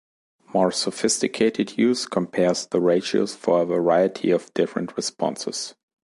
More sophisticated use compares the ratios for a variety of different responses.